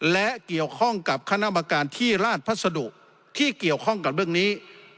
และเกี่ยวข้องกับคณะกรรมการที่ราชพัสดุที่เกี่ยวข้องกับเรื่องนี้